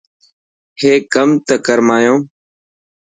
هيڪ ڪم ته ڪر مايون.